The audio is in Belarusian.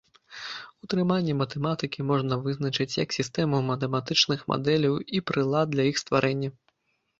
Утрыманне матэматыкі можна вызначыць як сістэму матэматычных мадэляў і прылад для іх стварэння.